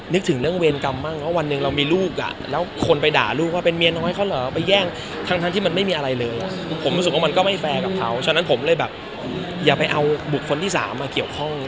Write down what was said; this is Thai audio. นึกถึงเรื่องเวรกรรมบ้างว่าวันหนึ่งเรามีลูกอ่ะแล้วคนไปด่าลูกว่าเป็นเมียน้อยเขาเหรอไปแย่งทั้งที่มันไม่มีอะไรเลยผมรู้สึกว่ามันก็ไม่แฟร์กับเขาฉะนั้นผมเลยแบบอย่าไปเอาบุคคลที่สามมาเกี่ยวข้อง